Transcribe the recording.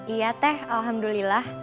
iya teh alhamdulillah